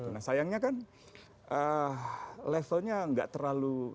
nah sayangnya kan levelnya enggak terlalu besar